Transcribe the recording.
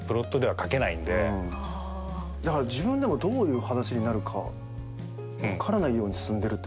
だから自分でもどういう話になるか分からないように進んでるって形ですよね。